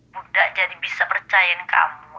bunda jadi bisa percaya kamu